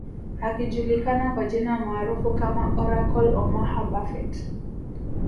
Akijulikana kwa jina maarufu kama Oracle Omaha Buffet